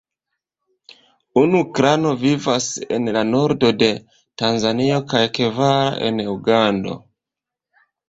Unu klano vivas en la nordo de Tanzanio kaj kvar en Ugando.